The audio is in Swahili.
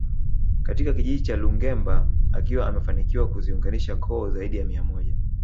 Katika kijiji cha Lungemba akiwa amefanikiwa kuziunganisha koo zaidi ya mia moja